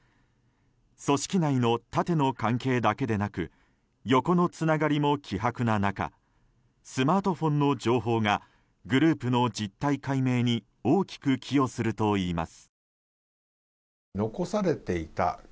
組織内の縦の関係だけでなく横のつながりも希薄な中スマートフォンの情報がグループの実態解明に大きく寄与するといいます。